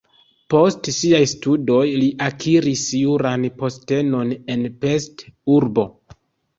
Post siaj studoj li akiris juran postenon en Pest (urbo).